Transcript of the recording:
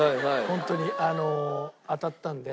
ホントに当たったんで。